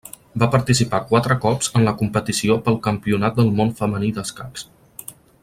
Va participar quatre cops en la competició pel Campionat del món femení d'escacs.